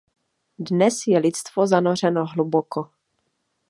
Dnes je lidstvo zanořeno hluboko.